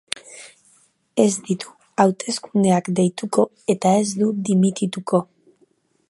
Ez ditu hauteskundeak deituko eta ez du dimitituko.